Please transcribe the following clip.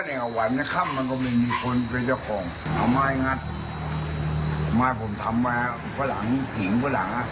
เอาไปทิ้งเอาไปทิ้งแล้วทำไมลุงไม่ยกใส่ไว้กระบะ